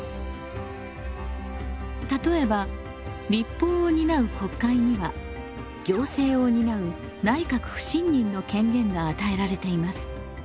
例えば立法を担う国会には行政を担う内閣不信任の権限が与えられています。